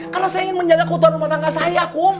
karena saya ingin menjaga keutuhan rumah tangga saya kum